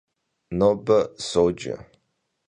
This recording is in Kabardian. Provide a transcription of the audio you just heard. Nobe soje.